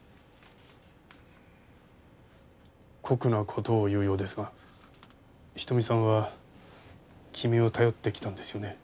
酷な事を言うようですが仁美さんは君を頼ってきたんですよね。